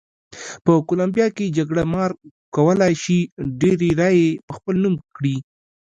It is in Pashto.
په کولمبیا کې جګړه مار کولای شي ډېرې رایې په خپل نوم کړي.